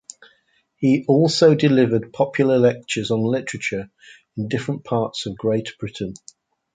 He also delivered popular lectures on literature in different parts of Great Britain.